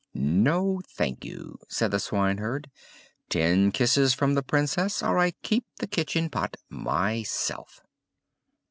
"No, thank you!" said the swineherd. "Ten kisses from the Princess, or I keep the kitchen pot myself."